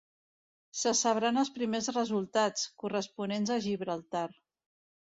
Se sabran els primers resultats, corresponents a Gibraltar.